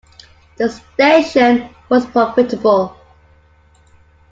The station was profitable.